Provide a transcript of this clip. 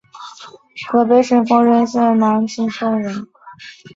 河北省丰润县南青坨村人。